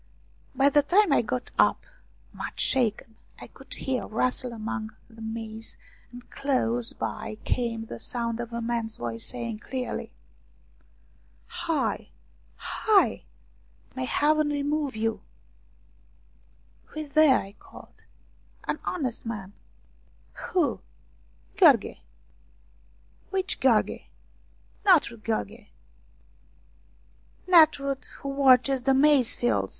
By the time I got up, much shaken, I could hear a rustle among the maize, and close by came the sound of a man's voice saying clearly :" Hi ! Hi ! May Heaven remove you !"" Who is there ?" I called. " An honest man." "Who?" " Gheorghe." " Which Gheorghe ?" "Natrut Gheorghe Natrut, who watches the maize fields."